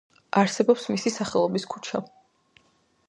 არსებობს მისი სახელობის ქუჩა.